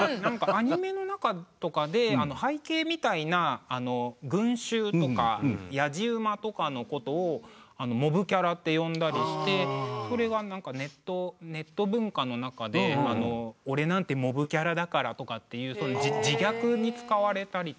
アニメの中とかで背景みたいな群集とかやじ馬とかのことを「モブキャラ」って呼んだりしてそれがなんかネット文化の中でとかっていう自虐に使われたりとか。